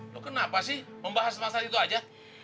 loh kenapa sih membahas masalah itu aja